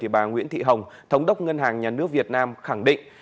bà nguyễn thị hồng thống đốc ngân hàng nhà nước việt nam khẳng định